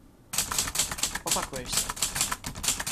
Opakuješ se.